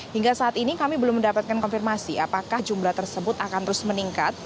hingga saat ini kami belum mendapatkan konfirmasi apakah jumlah tersebut akan terus meningkat